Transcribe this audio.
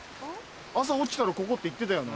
朝起きたらここって言ってたよな？